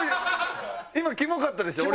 今キモかったでしょ？